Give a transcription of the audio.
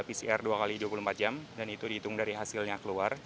pcr dua x dua puluh empat jam dan itu dihitung dari hasilnya keluar